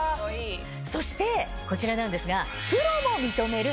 そしてこちらなんですが。